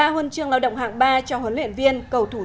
ba huân chương lao động hạng ba cho huấn luyện viên